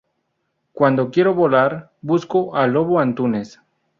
Cuando quiero volar, busco a Lobo Antunes.